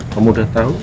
kamu udah tau